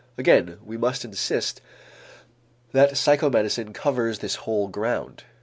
Again, we must insist that psychomedicine covers this whole ground.